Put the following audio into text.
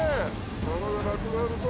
弾がなくなるぞ！